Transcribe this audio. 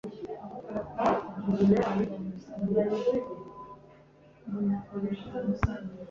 Namubwiye rimwe na rimwe ko ntazajyana guhaha.